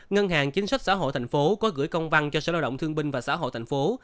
ngân hàng chính sách xã hội thành phố có gửi công văn cho sở lao động thương binh và xã hội thành phố